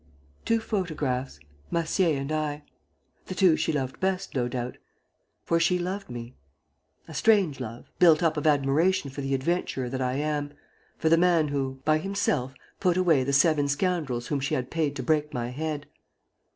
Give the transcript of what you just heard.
"Two photographs ... Massier and I ... the two she loved best, no doubt ... For she loved me. ... A strange love, built up of admiration for the adventurer that I am, for the man who, by himself, put away the seven scoundrels whom she had paid to break my head!